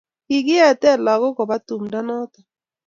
kikiete lagok koba tumdo noto